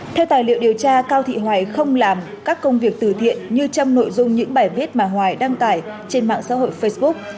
theo tài liệu điều tra cao thị hoài không làm các công việc từ thiện như trong nội dung những bài viết mà hoài đăng tải trên mạng xã hội facebook